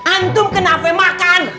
antum kenapa makan